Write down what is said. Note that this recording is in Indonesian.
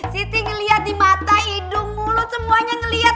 siti lihat di mata hidung mulut semuanya ngelihat